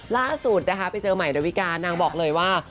ล่าสุดนะคะไปเจอใหม่ดาวิกานางบอกเลยว่า